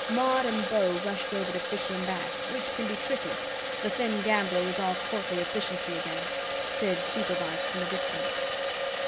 Maud and Beau rushed over to fish him back, which can be tricky. The thin gambler was all courtly efficiency again. Sid supervised from a distance.